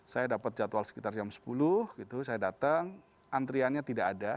saya dapat jadwal sekitar jam sepuluh saya datang antriannya tidak ada